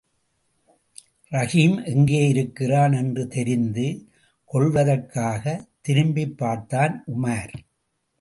ரஹீம் எங்கே இருக்கிறான் என்று தெரிந்து கொள்வதற்காகத் திரும்பிப்பார்த்தான் உமார்.